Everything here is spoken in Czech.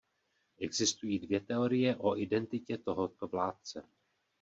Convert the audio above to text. Existují dvě teorie o identitě tohoto vládce.